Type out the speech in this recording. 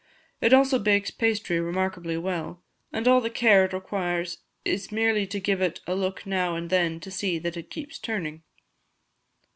It also bakes pastry remarkably well, and all the care it requires is merely to give it a look now and then to see that it keeps turning.